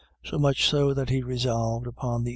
So much so that he resolved upon the.